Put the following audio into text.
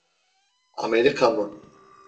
Amerika mı?